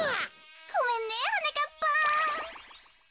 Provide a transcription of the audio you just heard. ごめんねはなかっぱん。